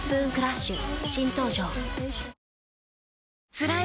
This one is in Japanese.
つらい